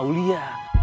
aulia tuh apa ya